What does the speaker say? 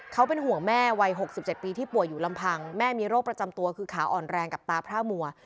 เขาเป็นห่วงแม่วัย๖๗ปีที่ป่วยอยู่ลำพังแม่มีโรคประจำตัวคือขาอ่อนแรงกับตาพร่ามัว